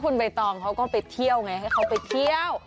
คุณใบตองเขาก็ไปเที่ยวไงให้เขาไปเที่ยว